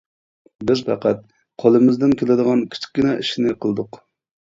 بىز پەقەت قۇلىمىزدىن كېلىدىغان كىچىككىنە ئىشنى قىلدۇق.